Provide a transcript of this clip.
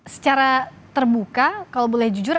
secara terbuka kalau boleh jujur